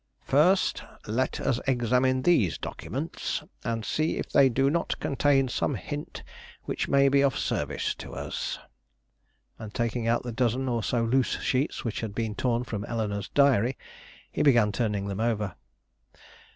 "First let us examine these documents, and see if they do not contain some hint which may be of service to us." And taking out the dozen or so loose sheets which had been torn from Eleanore's Diary, he began turning them over.